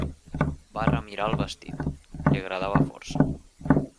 Va remirar el vestit: li agradava força.